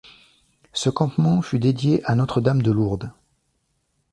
Ce campement fut dédié à Notre-Dame de Lourdes.